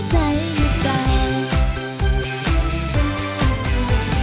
แต่ใกล้ใจหยุดไป